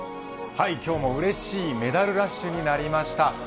今日もうれしいメダルラッシュになりました。